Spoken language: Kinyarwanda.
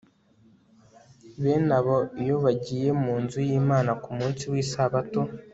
bene abo iyo bagiye mu nzu y'imana ku munsi w'isabato